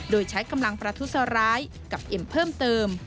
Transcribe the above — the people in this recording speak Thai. โดยใช้กำลังประทุษร้ายกับเอ็มเพิ่มเติม